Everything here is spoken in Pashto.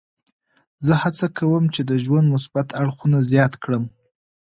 زه هڅه کوم چې د ژوند مثبت اړخونه زیات کړم.